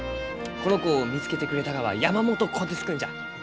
この子を見つけてくれたがは山元虎鉄君じゃ。